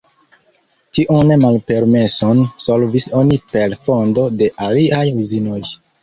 Tiun malpermeson solvis oni per fondo de aliaj uzinoj.